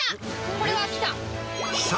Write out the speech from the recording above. これは来た！